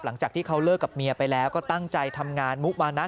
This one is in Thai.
หลังจากที่เขาเลิกกับเมียไปแล้วก็ตั้งใจทำงานมุมานะ